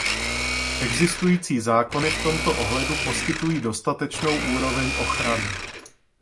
Existující zákony v tomto ohledu poskytují dostatečnou úroveň ochrany.